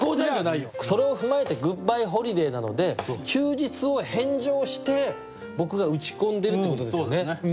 それを踏まえて「グッバイホリデー」なので休日を返上して僕が打ち込んでるってことですよね。